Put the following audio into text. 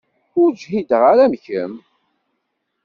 Ur ǧhideɣ ara am kemm.